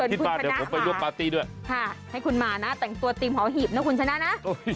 คิดมาเดี๋ยวผมไปร่วมปาร์ตี้ด้วยให้คุณมานะแต่งตัวทีมหอหีบนะคุณชนะนะ